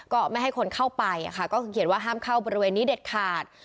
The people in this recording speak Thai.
ก็ไม่ให้คนเข้าไปก็คือเขียนว่าห้ามเข้าบริเวณนี้เด็ดขาด